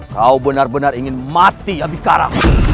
kau benar benar ingin mati abikarang